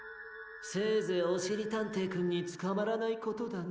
・せいぜいおしりたんていくんにつかまらないことだね。